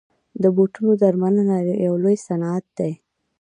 د بوټو درملنه یو لوی صنعت دی